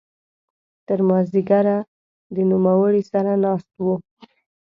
تر ماذیګره د نوموړي سره ناست وو.